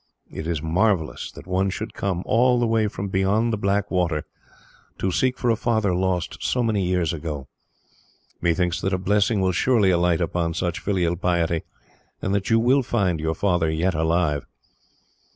It is marvellous that one should come, all the way from beyond the black water, to seek for a father lost so many years ago. Methinks that a blessing will surely alight upon such filial piety, and that you will find your father yet alive.